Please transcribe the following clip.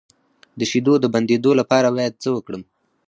د شیدو د بندیدو لپاره باید څه وکړم؟